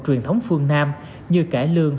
truyền thống phương nam như cải lương